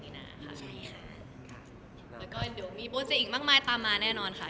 แล้วก็เดี๋ยวมีโปรเจอีกมากมายตามมาแน่นอนค่ะ